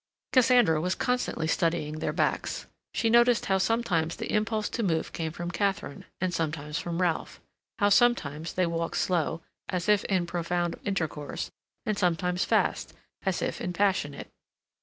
Cassandra was constantly studying their backs. She noticed how sometimes the impulse to move came from Katharine, and sometimes from Ralph; how, sometimes, they walked slow, as if in profound intercourse, and sometimes fast, as if in passionate.